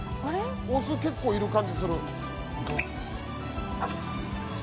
オス結構いる感じする。